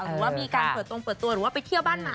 หรือว่ามีการเปิดตรงเปิดตัวหรือว่าไปเที่ยวบ้านใหม่